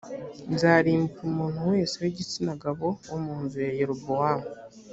nzarimbura umuntu wese w’ igitsina gabo wo mu nzu ya yerobowamu